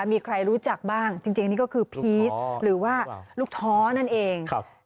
มีใครรู้จักบ้างจริงนี่ก็คือพีชหรือว่าลูกท้อนั่นเอง